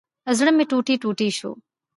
زړه مي ټوټي ټوټي شو